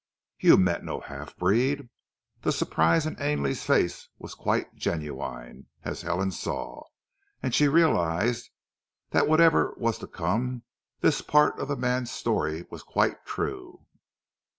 "You met no half breed?" The surprise in Ainley's face was quite genuine, as Helen saw, and she realized that whatever was to come, this part of the man's story was quite true.